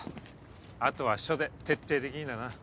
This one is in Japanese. あとは署で徹底的にだな。